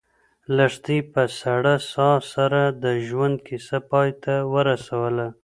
لښتې په سړه ساه سره د ژوند کیسه پای ته ورسوله.